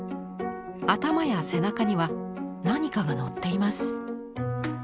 頭や背中には何かが載っています。